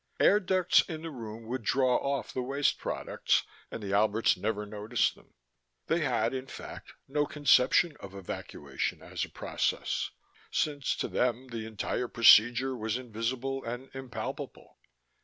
Air ducts in the room would draw off the waste products, and the Alberts never noticed them: they had, in fact, no conception of evacuation as a process, since to them the entire procedure was invisible and impalpable.